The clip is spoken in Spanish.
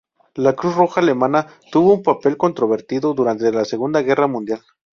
La Cruz Roja Alemana tuvo un papel controvertido durante la Segunda Guerra Mundial.